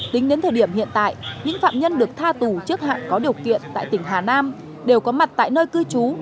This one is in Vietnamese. tính đến thời điểm hiện tại những phạm nhân được tha tù trước hạn có điều kiện tại tỉnh hà nam đều có mặt tại nơi cư trú